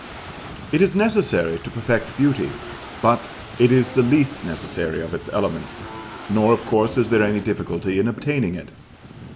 It is necessary to perfect beauty, but it is the least necessary of its elements, nor of course is there any difficulty in obtaining it.